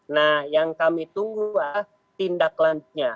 nah yang kami tunggu adalah tindak lanjutnya